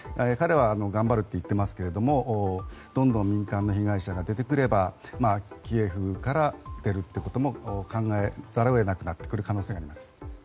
彼は頑張ると言っていますけれどもどんどん民間の被害者が出てくればキエフから出ることも考えざるを得なくなってくる可能性があります。